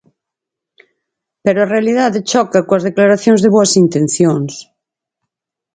Pero a realidade choca coas declaracións de boas intencións.